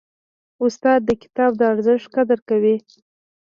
استاد د کتاب د ارزښت قدر کوي.